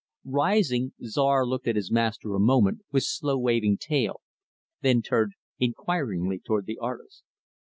Rising, Czar looked at his master a moment, with slow waving tail, then turned inquiringly toward the artist.